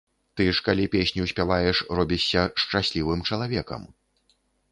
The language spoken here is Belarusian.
Ты ж калі песню спяваеш, робішся шчаслівым чалавекам!